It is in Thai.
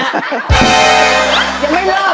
ยังไม่เริ่มสุดท้าย